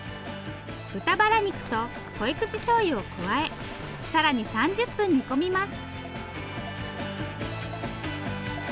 豚バラ肉と濃口しょうゆを加え更に３０分煮込みます